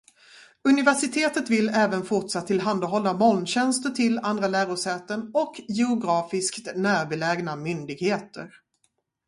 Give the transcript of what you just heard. Universitetet vill även fortsatt tillhandahålla molntjänster till andra lärosäten och geografiskt närbelägna myndigheter.